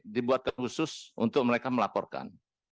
dibuat khusus untuk mereka melakukan